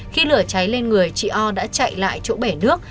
khi lửa cháy lên người chị o đã chạy lại chỗ bể nước